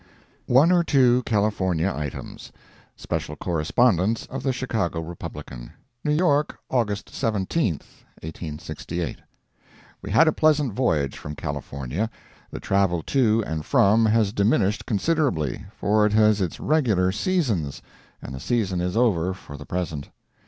ONE OR TWO CALIFORNIA ITEMS Special Correspondence of the Chicago Republican. New York, Aug. 17, 1868 We had a pleasant voyage from California. The travel to and fro has diminished considerably, for it has its regular seasons, and the season is over for the present.